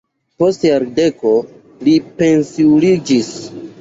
Post jardeko li pensiuliĝis.